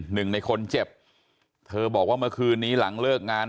หนึ่งในคนเจ็บเธอบอกว่าเมื่อคืนนี้หลังเลิกงาน